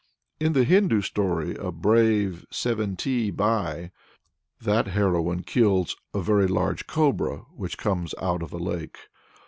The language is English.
In the Hindoo story of "Brave Seventee Bai," that heroine kills "a very large Cobra" which comes out of a lake.